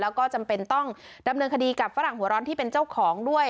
แล้วก็จำเป็นต้องดำเนินคดีกับฝรั่งหัวร้อนที่เป็นเจ้าของด้วย